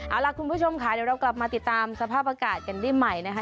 เอาล่ะคุณผู้ชมค่ะเดี๋ยวเรากลับมาติดตามสภาพอากาศกันได้ใหม่นะคะ